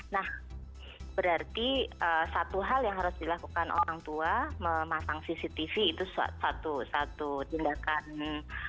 nah berarti satu hal yang harus dilakukan orang tua memasang cctv itu satu tindakan